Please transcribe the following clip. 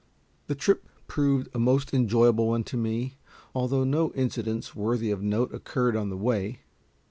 The trip proved a most enjoyable one to me, although no incidents worthy of note occurred on the way.